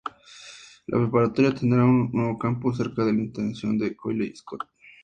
La preparatoria tendrá un nuevo campus cerca de la intersección de Coyle y Scott.